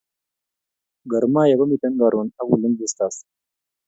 Gor mahia ko miten karon Ak ulinzi stars